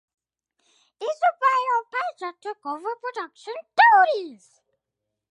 Eusebio Pacha took over production duties.